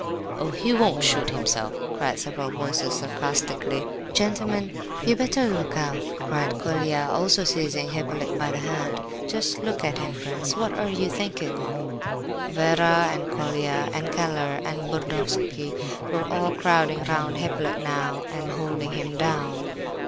"Oh, he won't shoot himself!" cried several voices, sarcastically. "Gentlemen, you'd better look out," cried Colia, also seizing Hippolyte by the hand. "Just look at him! Prince, what are you thinking of?" Vera and Colia, and Keller, and Burdovsky were all crowding round Hippolyte now and holding him down.